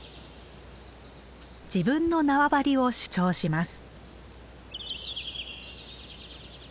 自分の縄張りを主張します。